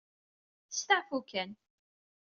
Steɛfut kan.